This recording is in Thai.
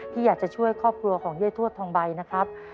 อยากจะช่วยครอบครัวของเย้ทวดทองใบนะครับ